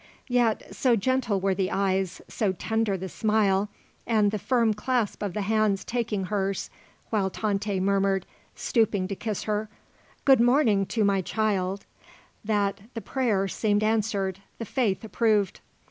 Yet so gentle were the eyes, so tender the smile and the firm clasp of the hands taking hers, while Tante murmured, stooping to kiss her: "Good morning to my child," that the prayer seemed answered, the faith approved.